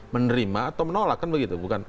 menerima atau menolak kan begitu